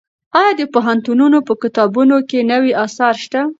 ایا د پوهنتونونو په کتابتونونو کې نوي اثار شته؟